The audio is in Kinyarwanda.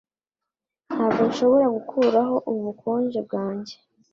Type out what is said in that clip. Ntabwo nshobora gukuraho ubu bukonje bwanjye.